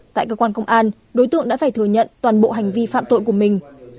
tại cơ quan công an đối tượng đã phải thừa nhận toàn bộ hành vi phạm tội của mình